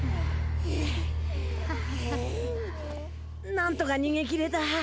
なんとか逃げきれた。